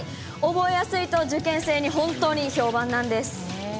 覚えやすいと、受験生に本当に評判なんです。